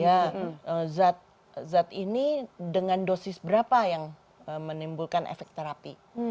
ya zat ini dengan dosis berapa yang menimbulkan efek terapi